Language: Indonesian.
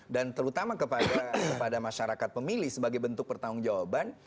dan terutama kepada masyarakat pemilih sebagai bentuk pertanggung jawaban